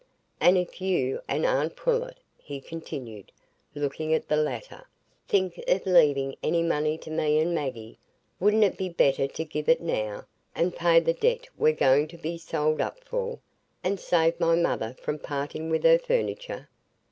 And if you and aunt Pullet," he continued, looking at the latter, "think of leaving any money to me and Maggie, wouldn't it be better to give it now, and pay the debt we're going to be sold up for, and save my mother from parting with her furniture?"